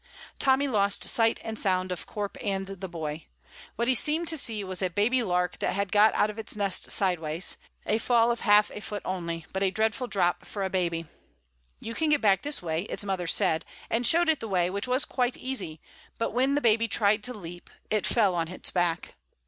Tommy lost sight and sound of Corp and the boy. What he seemed to see was a baby lark that had got out of its nest sideways, a fall of half a foot only, but a dreadful drop for a baby. "You can get back this way," its mother said, and showed it the way, which was quite easy, but when the baby tried to leap, it fell on its back.